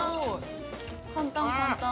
簡単簡単。